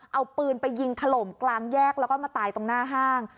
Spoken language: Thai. เอาปืนไปยิงถล่มกลางแยกแล้วก็มาตายตรงหน้าห้าง